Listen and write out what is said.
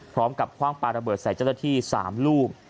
พร้อมกับคว้างปาระเบิดใส่เจ้าตระธิ๓ลูม